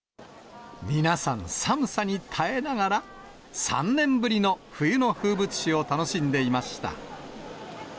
皆さん、寒さに耐えながら、３年ぶりの冬の風物詩を楽しんでいました。